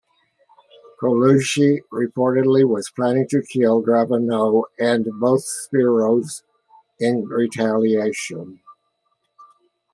Colucci reportedly was planning to kill Gravano and both Speros in retaliation.